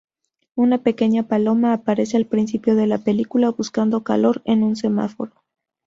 Una pequeña paloma aparece al principio de la película buscando calor en un semáforo.